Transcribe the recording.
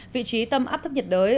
vị trí tâm áp thấp nhiệt đới